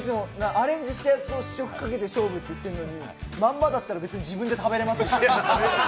アレンジしたやつを試食かけて勝負って言ってるのにまんまだったら、別に自分で食べれるなって。